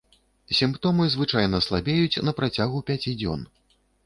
Сімптомы звычайна слабеюць на працягу пяці дзён.